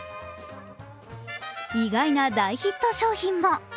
意外な大ヒット商品も。